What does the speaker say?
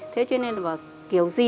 thế cho nên là kiểu gì